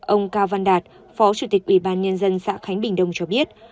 ông cao văn đạt phó chủ tịch ủy ban nhân dân xã khánh bình đông cho biết